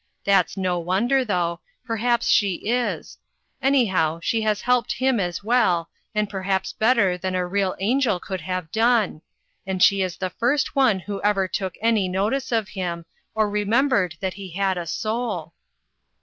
That's no wonder, though; perhaps she is; any how, she has helped him as well, and per haps better than a real angel could have done , and she is the first one who ever took any notice of him, or remembered that he had a soul."